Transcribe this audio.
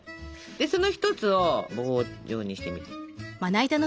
でその一つを棒状にしてみて。